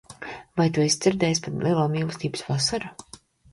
Vai tu esi dzirdējis par Lielo Mīlestības Vasaru?